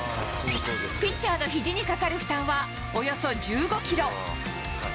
ピッチャーのひじにかかる負担はおよそ１５キロ。